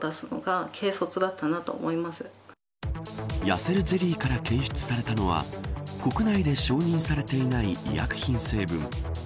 やせるゼリーから検出されたのは国内で承認されていない医薬品成分。